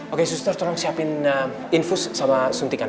oke suster tolong siapin infus sama suntikan